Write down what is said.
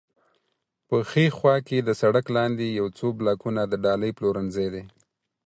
په ښي خوا کې د سړک لاندې یو څو بلاکونه د ډالۍ پلورنځی دی.